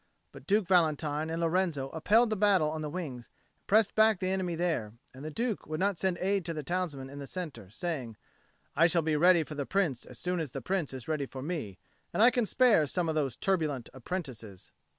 But Duke Valentine and Lorenzo upheld the battle on the wings, and pressed back the enemy there; and the Duke would not send aid to the townsmen in the centre, saying "I shall be ready for the Prince as soon as the Prince is ready for me, and I can spare some of those turbulent apprentices."